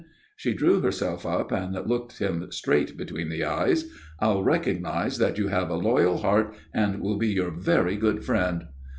She drew herself up and looked him straight between the eyes. "I'll recognize that you have a loyal heart, and will be your very good friend."